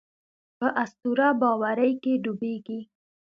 په اسطوره باورۍ کې ډوبېږي.